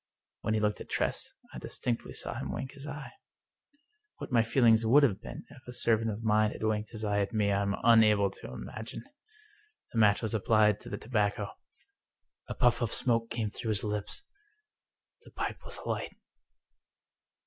When he looked at Tress I distinctly saw him wink his eye. What my feelings would have been if a servant of mine had winked his eye at me I am unable 237 English Mystery Stories to imagine ! The match was applied to the tobacco, a puff of smoke came through his lips — ^the pipe was alight!